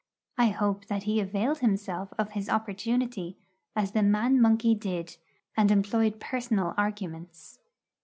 I hope that he availed himself of his opportunity, as the man monkey did, and employed personal arguments.